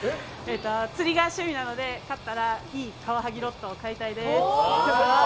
釣りが趣味なので勝ったらいいカワハギロットを買いたいです。